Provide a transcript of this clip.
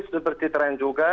seperti tren juga